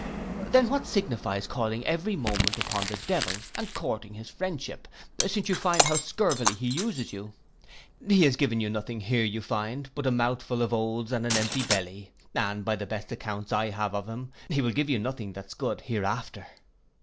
Then what signifies calling every moment upon the devil, and courting his friendship, since you find how scurvily he uses you. He has given you nothing here, you find, but a mouthful of oaths and an empty belly; and by the best accounts I have of him, he will give you nothing that's good hereafter.